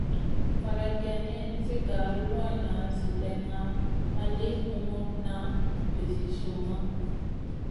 Faleyd geyni, nizi gar luanʼna zi dena ma li humutna vizi zumma.